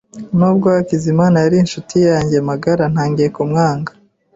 Umwarimu yashimangiye akamaro ko kwimenyereza buri munsi.